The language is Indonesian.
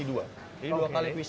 jadi dua kali qc